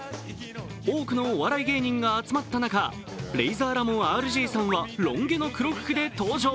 多くのお笑い芸人が集まった中、レイザーラモンＲＧさんはロン毛の黒服で登場。